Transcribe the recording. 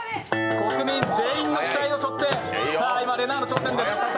国民全員の期待を背負ってれなぁの挑戦です。